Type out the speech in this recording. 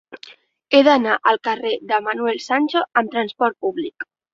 He d'anar al carrer de Manuel Sancho amb trasport públic.